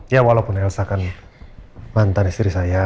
ya walaupun elsa kan mantan istri saya